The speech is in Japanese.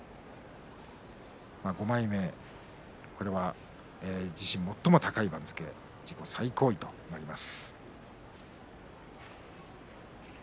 ５枚目、これは自身最も高い番付自己最高位となります。